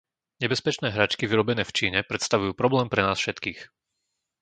Nebezpečné hračky vyrobené v Číne predstavujú problém pre nás všetkých.